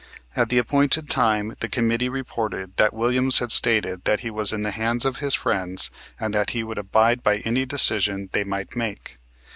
At the appointed time the committee reported that Williams had stated that he was in the hands of his friends and that he would abide by any decision they might make.